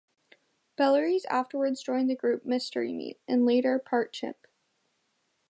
Bellaries afterwards joined the group Mystery Meat, and later Part Chimp.